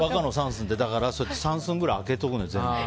三寸ぐらい開けておくの、全部。